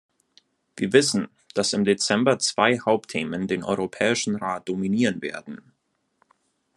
Wir wissen, dass im Dezember zwei Hauptthemen den Europäischen Rat dominieren werden.